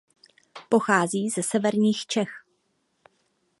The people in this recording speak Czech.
Pochází ze severních Čech.